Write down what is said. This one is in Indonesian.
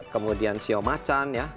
kemudian sio macan ya